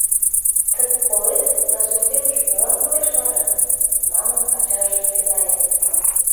Тып колет, да суртемже кӧлан кодеш вара? — манын, ачаже пенаен.